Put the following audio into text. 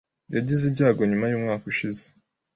Yagize ibyago nyuma yumwaka ushize.